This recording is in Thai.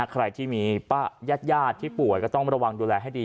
ใครที่มีญาติที่ป่วยก็ต้องระวังดูแลให้ดี